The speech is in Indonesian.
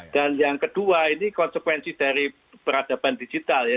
dan yang kedua ini konsekuensi dari peradaban digital ya